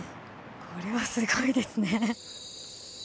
これはすごいですね。